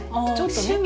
趣味。